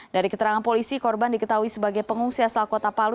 dari keterangan polisi korban diketahui sebagai pengungsi asal kota palu